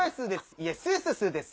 いやスーススーです。